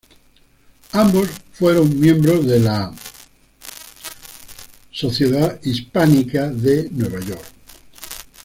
Ambos fueron miembros de la Hispanic Society de Nueva York.